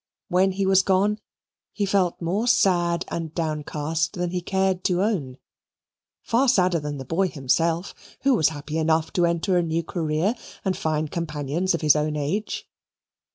When he was gone, he felt more sad and downcast than he cared to own far sadder than the boy himself, who was happy enough to enter a new career and find companions of his own age.